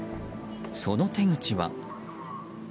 その手口は。